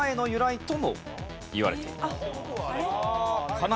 かな